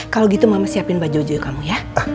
kalau gitu mama siapin baju kamu ya